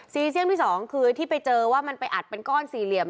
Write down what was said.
เซียมที่สองคือที่ไปเจอว่ามันไปอัดเป็นก้อนสี่เหลี่ยม